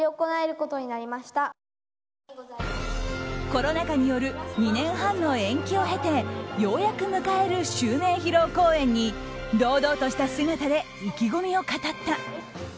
コロナ禍による２年半の延期を経てようやく迎える襲名披露公演に堂々とした姿で意気込みを語った。